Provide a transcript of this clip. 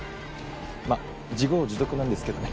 まあ自業自得なんですけどね。